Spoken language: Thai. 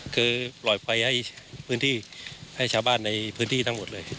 คือปล่อยไฟให้ชาวบ้านในพื้นที่ทั้งหมดเลย